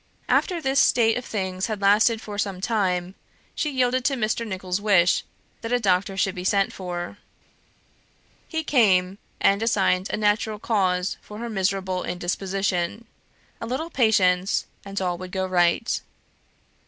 After this state of things had lasted for some time; she yielded to Mr. Nicholls' wish that a doctor should be sent for. He came, and assigned a natural cause for her miserable indisposition; a little patience, and all would go right.